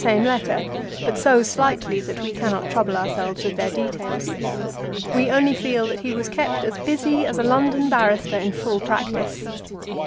same letter, but so slightly that we cannot trouble ourselves with their details. We only feel that he was kept as busy as a London barrister in full practice.